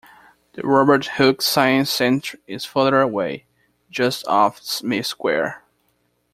The Robert Hooke Science Centre is further away, just off Smith Square.